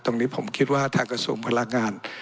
ตรงนี้ผมคิดว่าทางกระทรวงพลังงาน